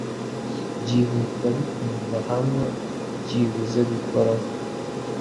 Byihutabitumba hamwe byibuzegukoraho